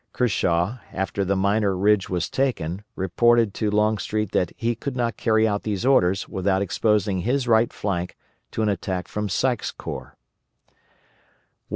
Kershaw, after the minor ridge was taken, reported to Longstreet that he could not carry out these orders without exposing his right flank to an attack from Sykes' corps.